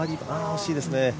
惜しいですね。